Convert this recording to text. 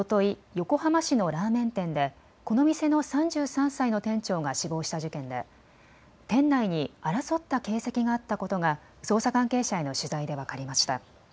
横浜市のラーメン店でこの店の３３歳の店長が死亡した事件で店内に争った形跡があったことが捜査関係者への取材で分かりました。